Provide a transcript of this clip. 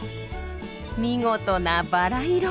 見事なバラ色！